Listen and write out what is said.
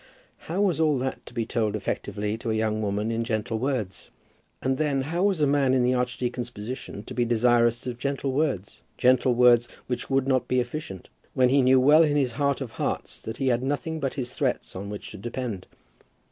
How was all that to be told effectively to a young woman in gentle words? And then how was a man in the archdeacon's position to be desirous of gentle words, gentle words which would not be efficient, when he knew well in his heart of hearts that he had nothing but his threats on which to depend.